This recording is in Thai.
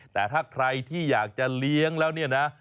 แต่ถ้าใครที่อยากจะเลี้ยงแล้วเนี่ยนะ